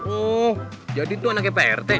oh jadi itu anaknya prt